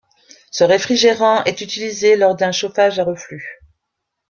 Ce réfrigérant est utilisé lors d'un chauffage à reflux.